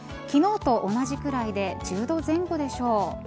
昨日と同じくらいで１０度前後でしょう。